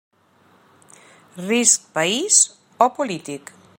Risc país o polític.